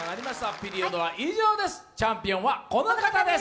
ピリオドは以上です、チャンピオンはこの方です。